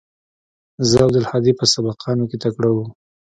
زه او عبدالهادي په سبقانو کښې تکړه وو.